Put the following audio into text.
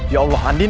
ya allah andien